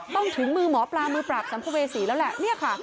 ถึงมือหมอปลามือปราบสัมภเวษีแล้วแหละเนี่ยค่ะ